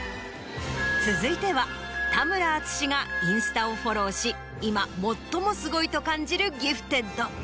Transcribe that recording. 続いては田村淳がインスタをフォローし今最もすごいと感じるギフテッド。